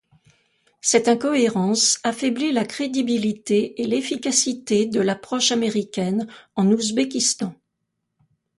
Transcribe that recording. Cette incohérence affaiblit la crédibilité et l'efficacité de l'approche américaine en Ouzbékistan.